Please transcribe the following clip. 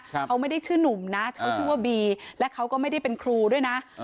เขาไม่ได้ชื่อหนุ่มนะเขาชื่อว่าบีและเขาก็ไม่ได้เป็นครูด้วยนะ